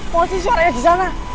mochi suaranya di sana